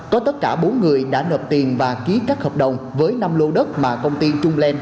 có tất cả bốn người đã nợp tiền và ký các hợp đồng với năm lô đất mà công ty trung lên